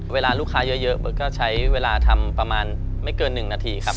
เวลาลูกค้าเยอะเบิร์ตก็ใช้เวลาทำประมาณไม่เกิน๑นาทีครับ